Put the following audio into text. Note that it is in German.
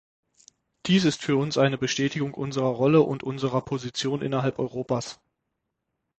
Dies ist für uns eine Bestätigung unserer Rolle und unserer Position innerhalb Europas.